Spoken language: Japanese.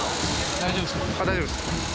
大丈夫です。